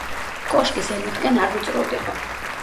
კოშკი ზემოთკენ არ ვიწროვდება.